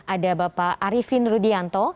ada bapak arifin rudianto